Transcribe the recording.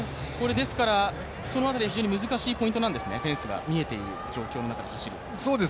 ですからその中で非常に難しいポイントなんですね、フェンスが見えている状況で走るという？